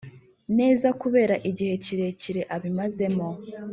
neza kubera igihe kirekire abimazemo